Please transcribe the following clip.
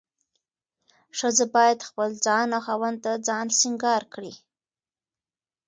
ښځه باید خپل ځان او خاوند ته ځان سينګار کړي.